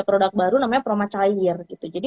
produk baru namanya proma cair gitu jadi